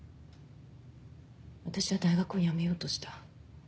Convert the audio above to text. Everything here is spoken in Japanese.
私は大学をやめようとした。